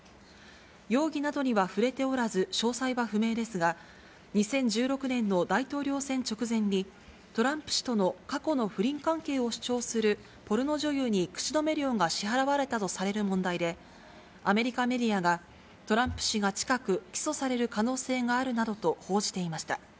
容疑などには触れておらず、詳細は不明ですが、２０１６年の大統領選直前に、トランプ氏との過去の不倫関係を主張するポルノ女優に口止め料が支払われたとされる問題で、アメリカメディアがトランプ氏が近く、起訴される可能性があるなどと報じていました。